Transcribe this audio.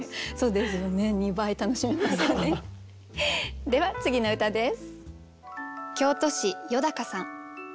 では次の歌です。